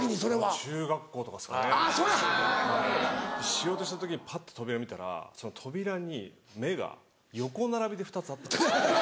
しようとした時にパッて扉見たらその扉に目が横並びで２つあったんですよ。